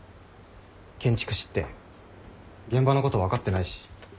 建築士って現場のこと分かってないし。